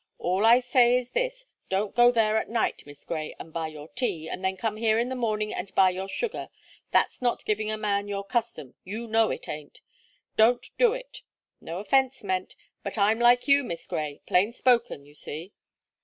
All I say is this: don't go there at night, Miss Gray, and buy your tea, and then come here in the morning and buy your sugar. That's not giving a man your custom, you know it ain't. Don't do it; no offence meant, but I'm like you, Miss Gray, plain spoken, you see."